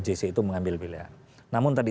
jc itu mengambil pilihan namun tadi